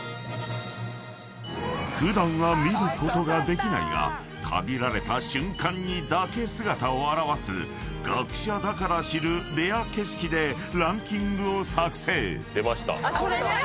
［普段は見ることができないが限られた瞬間にだけ姿を現す学者だから知るレア景色でランキングを作成］